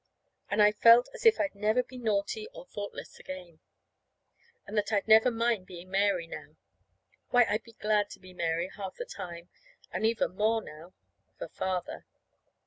And I felt as if I'd never be naughty or thoughtless again. And that I'd never mind being Mary now. Why, I'd be glad to be Mary half the time, and even more for Father.